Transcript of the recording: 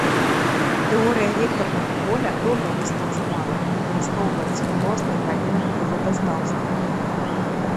Тэорыя вектарнага поля добра распрацавана і выкарыстоўваецца ў розных галінах прыродазнаўства.